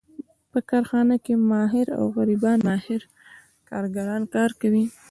په کارخانه کې ماهر او غیر ماهر کارګران کار کوي